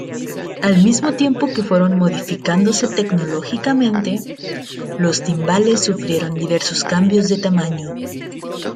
Al mismo tiempo que fueron modificándose tecnológicamente, los timbales sufrieron diversos cambios de tamaño.